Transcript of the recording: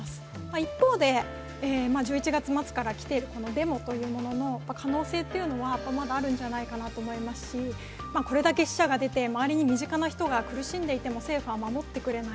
一方で、１１月末から来ているデモというものの可能性というのはまだあるんじゃないかなと思いますしこれだけ死者が出て周りで身近な人が苦しんでいても政府は守ってくれない。